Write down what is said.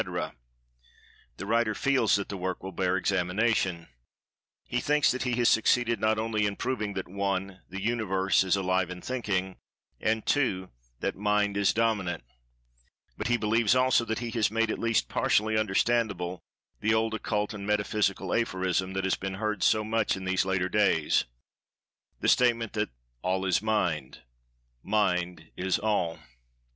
—the writer feels that the work will bear examination. He[Pg 158] thinks that he has succeeded not only in proving that (1) The Universe is Alive and Thinking; and (2) That Mind is Dominant—but he believes, also, that he has made at least partially understandable the old occult and metaphysical aphorism that has been heard so much in these later days—the statement that "All is Mind—Mind is All."